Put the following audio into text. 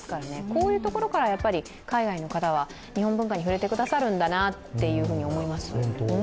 こういうところから海外の方は日本文化に触れてくださるんだなと思います。